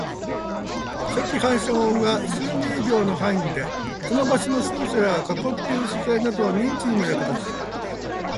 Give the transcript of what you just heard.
初期反射音は数ミリ秒の範囲で、その場所の広さや囲っている素材などの認知にも役立つ